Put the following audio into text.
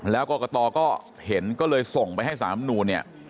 แล้วกรกฎาก็เห็นก็เลยส่งไปให้สารลำนูน